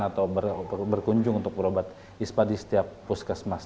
atau berkunjung untuk berobat ispa di setiap puskesmas